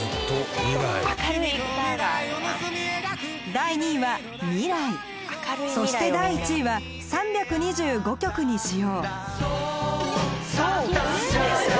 第２位は「未来」そして第１位は３２５曲に使用